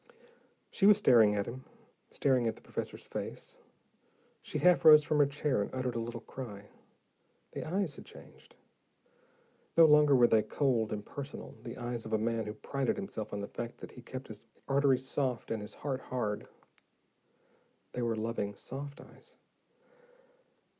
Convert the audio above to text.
She was staring at him, staring at the professor's face. She half rose from her chair, and uttered a little cry. The eyes had changed, no longer were they cold, impersonal, the eyes of a man who prided himself on the fact that he kept his arteries soft and his heart hard; they were loving, soft eyes.